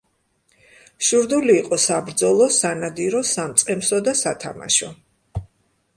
შურდული იყო საბრძოლო, სანადირო, სამწყემსო და სათამაშო.